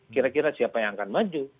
kira kira siapa yang akan maju